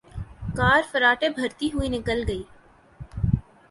کار فراٹے بھرتی ہوئے نکل گئی۔